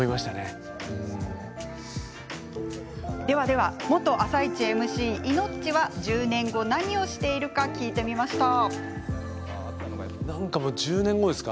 では、元「あさイチ」ＭＣイノッチは１０年後、何をしているか聞いてみました。